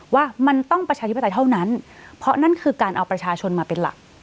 ว่ามันต้องประชาธิปไตยเท่านั้นเพราะนั่นคือการเอาประชาชนมาเป็นหลัก